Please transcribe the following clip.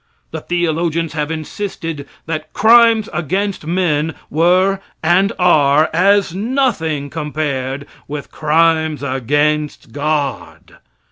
The theologians have insisted that crimes against men were, and are, as nothing compared with crimes against God.